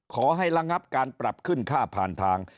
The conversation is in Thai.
ขอให้ระงับการปรับขึ้นค่าผ่านทาง